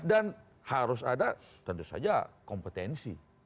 dan harus ada tentu saja kompetensi